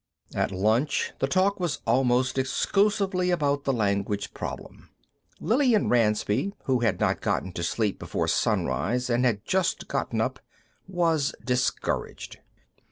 At lunch, the talk was almost exclusively about the language problem. Lillian Ransby, who had not gotten to sleep before sunrise and had just gotten up, was discouraged.